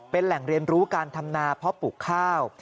เป็นแหล่งเรียนรู้การทำนาเพาะปลูกข้าว